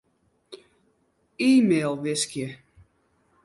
E-mail wiskje.